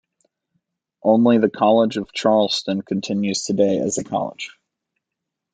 Only the College of Charleston continues today as a college.